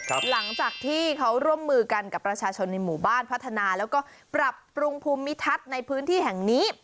หลังจากที่เขาร่วมมือกันกับประชาชนในหมู่บ้านพัฒนาแล้วก็ปรับปรุงภูมิทัศน์ในพื้นที่แห่งนี้